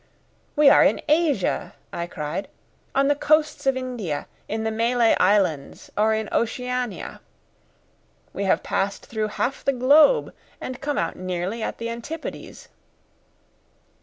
"We are in Asia," I cried, "on the coasts of India, in the Malay Islands, or in Oceania. We have passed through half the globe, and come out nearly at the antipodes."